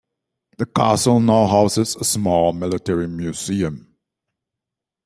The castle now houses a small military museum.